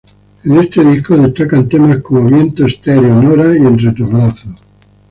En este disco destacan temas como "Viento stereo", "Nora" y "Entre tus brazos".